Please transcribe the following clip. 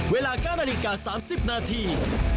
เวลาการณีการ๓๐นาที